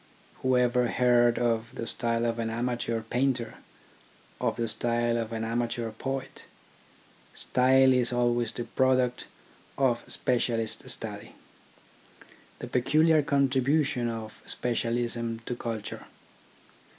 Whoever heard of the style of an amateur painter, of the style of an amateur poet ? Style is always the product of specialist study, the peculiar contribution of specialism to culture.